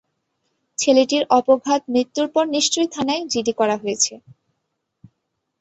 ছেলেটির অপঘাত মৃত্যুর পর নিশ্চয়ই থানায় জিডি।